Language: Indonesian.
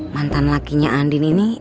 mantan lakinya andin ini